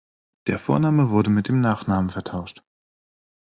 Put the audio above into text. Der Vorname wurde mit dem Nachnamen vertauscht.